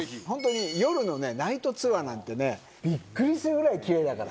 夜のねナイトツアーなんてねびっくりするぐらいキレイだから。